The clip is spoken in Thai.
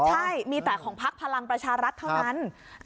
ใช่มีแต่ของพักพลังประชารัฐเท่านั้น